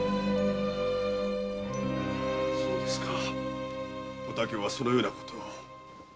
そうですかお竹はそのようなことを。